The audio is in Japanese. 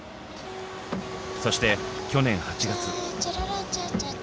そして去年８月。